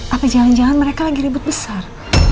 apa jangan jangan mereka lagi ribet besar